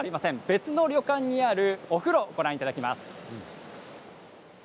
別の旅館にあるお風呂をご覧いただきます。